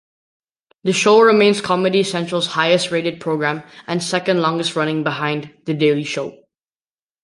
The show remains Comedy Central's highest rated program and second-longest-running, behind "The Daily Show".